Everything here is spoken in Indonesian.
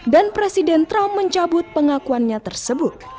dan presiden trump mencabut pengakuannya tersebut